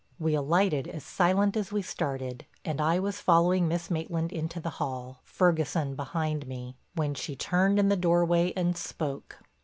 We alighted as silent as we started, and I was following Miss Maitland into the hall, Ferguson behind me, when she turned in the doorway and spoke.